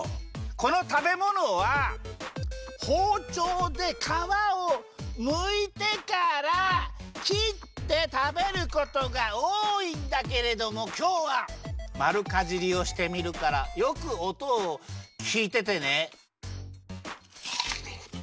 このたべものはほうちょうでかわをむいてからきってたべることがおおいんだけれどもきょうはまるかじりをしてみるからよくおとをきいててね。